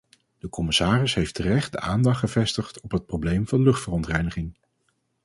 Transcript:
De commissaris heeft terecht de aandacht gevestigd op het probleem van luchtverontreiniging.